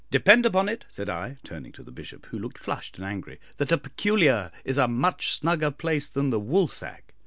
Depend upon it," said I, turning to the Bishop, who looked flushed and angry, "that a 'Peculiar' is a much snugger place than the Woolsack."